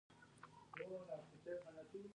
د قانون مراعات کول د هر وګړي مسؤلیت دی.